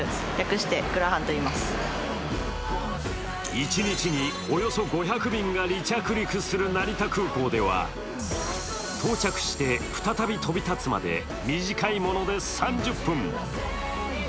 一日におよそ５００便が離着陸する成田空港では到着して再び飛び立つまで短いもので３０分。